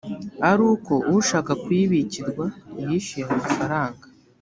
ari uko ushaka kuyibikirwa yishyuye amafaranga